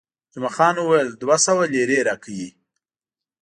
جمعه خان وویل، دوه سوه لیرې راکوي.